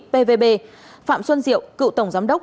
pvb phạm xuân diệu cựu tổng giám đốc